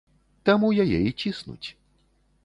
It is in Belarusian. Таму яе і ціснуць.